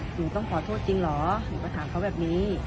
หนูต้องขอโทษจริงเหรอหนูก็ถามเขาแบบนี้